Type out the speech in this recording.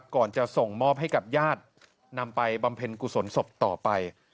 ก่อนจะส่งมอบให้กับญาตินำไปบำเพ็ญกุศลศพต่อไป